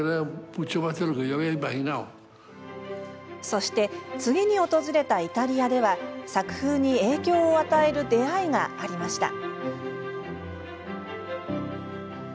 そして、次に訪れたイタリアでは作風に影響を与える出会いがありました。